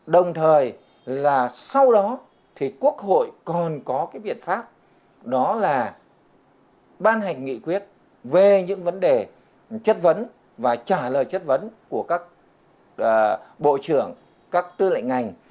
đồng thời là sau đó thì quốc hội còn có cái biện pháp đó là ban hành nghị quyết về những vấn đề chất vấn và trả lời chất vấn của các bộ trưởng các tư lệnh ngành